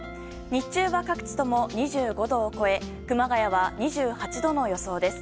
日中は各地とも２５度を超え熊谷は２８度の予想です。